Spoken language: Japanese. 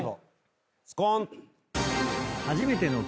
スコン！